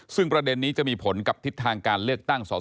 ซึ่งประเด็นนี้จะมีผลกับทิศทางการเลือกตั้งสอสอ